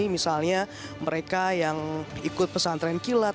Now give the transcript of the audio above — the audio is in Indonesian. misalnya mereka yang ikut pesantren kilat